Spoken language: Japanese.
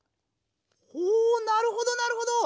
おおなるほどなるほど。